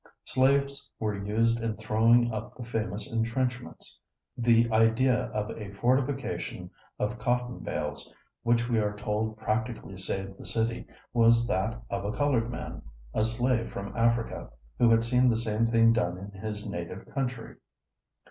Slaves were used in throwing up the famous entrenchments. The idea of a fortification of cotton bales, which we are told practically saved the city, was that of a colored man, a slave from Africa, who had seen the same thing done in his native country.